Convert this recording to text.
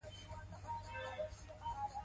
افغاني لښکر ماتې کوي.